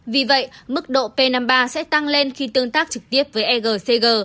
vì vậy mức độ p năm mươi ba sẽ tăng lên khi tương tác trực tiếp với egcg